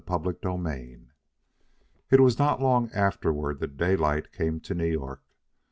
CHAPTER II It was not long afterward that Daylight came on to New York.